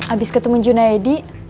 abis ketemu junaedi